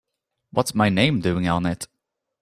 What's my name doing on it?